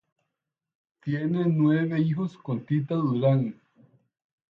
Tiene nueve hijos con Tita Durán.